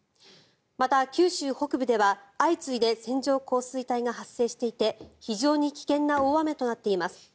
また、九州北部では相次いで線状降水帯が発生していて非常に危険な大雨となっています。